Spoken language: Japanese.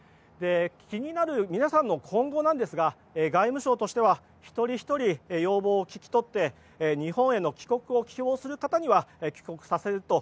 気になる皆さんの今後なんですが外務省としては一人ひとり要望を聞き取って日本への帰国を希望する方には帰国させると。